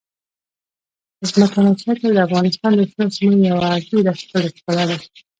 ځمکنی شکل د افغانستان د شنو سیمو یوه ډېره ښکلې ښکلا ده.